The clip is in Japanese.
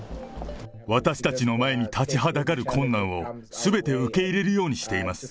私たちの前に立ちはだかる困難を、すべて受け入れるようにしています。